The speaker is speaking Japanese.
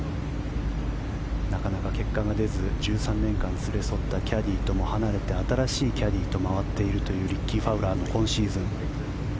なかなか結果が出ず１３年間連れ添ったキャディーとも別れて新しいキャディーと回っているというリッキー・ファウラーの今シーズン。